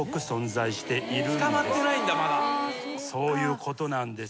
そういうことなんです。